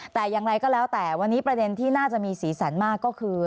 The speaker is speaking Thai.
แต่อย่างไรก็แล้วแต่วันนี้ประเด็นที่น่าจะมีสีสันมากก็คือ